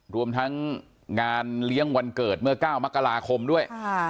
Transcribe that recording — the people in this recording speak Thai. รวมทั้งงานเลี้ยงวันเกิดเมื่อ๙มกราคมด้วย